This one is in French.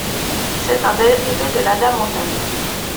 C'est un dérivé de l'adamantane.